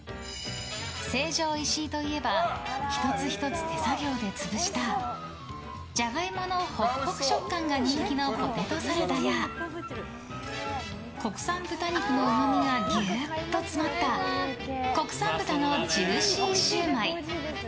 成城石井といえば１つ１つ手作業で潰したジャガイモのホクホク食感が人気のポテトサラダや国産豚肉のうまみがギュッと詰まった国産豚のジューシー焼売。